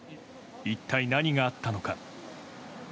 一体何があったのか。